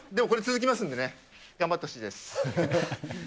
これ、続きますんでね、頑張ってほしいです。